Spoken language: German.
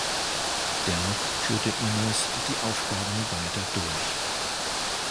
Dennoch führte Enos die Aufgaben weiter durch.